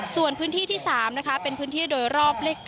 ส่วนพื้นที่ที่๓นะคะเป็นพื้นที่โดยรอบเลข๙